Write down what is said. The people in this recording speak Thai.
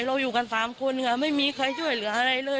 อยู่กัน๓คนค่ะไม่มีใครช่วยเหลืออะไรเลย